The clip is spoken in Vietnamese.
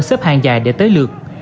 xếp hàng dài để tới lượt